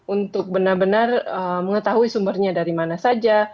untuk benar benar mengetahui sumbernya dari mana saja